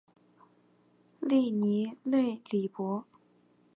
利尼勒里博。